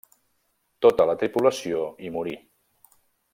Tota la tripulació hi morí.